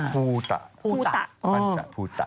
ภูตะปัญหาภูตะ